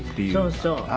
そうそう。